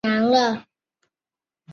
儿子朱健杙被册封为世孙。